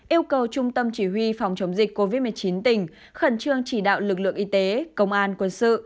yêu cầu trung tâm chỉ huy phòng chống dịch covid một mươi chín tỉnh khẩn trương chỉ đạo lực lượng y tế công an quân sự